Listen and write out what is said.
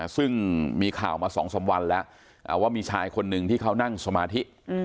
ซึ่งมีข่าวมา๒๓วันแล้วว่ามีชายคนหนึ่งที่เขานั่งสมาธิ